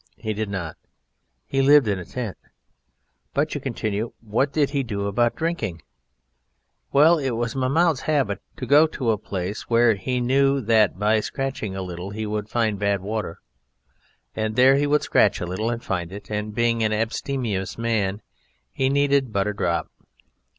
He did not. He lived in a tent. "But," you continue, "what did he do about drinking?" Well, it was Mahmoud's habit to go to a place where he knew that by scratching a little he would find bad water, and there he would scratch a little and find it, and, being an abstemious man, he needed but a drop.